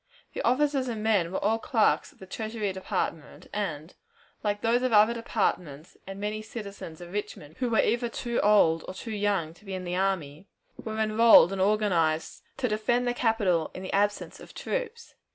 The officers and men were all clerks of the Treasury Department, and, like those of other departments and many citizens of Richmond, who were either too old or too young to be in the army, were enrolled and organized to defend the capital in the absence of troops.